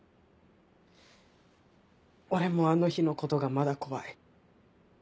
俺もあの日のことがまだ怖い。